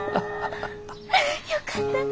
よかったな。